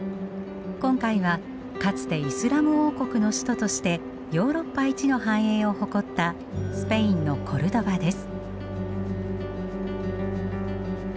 今回はかつてイスラム王国の首都としてヨーロッパ一の繁栄を誇ったスペインのコルドバです。